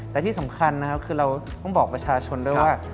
แต่ที่สำคัญนะครับคือเราต้องบอกประชาชนด้วยว่า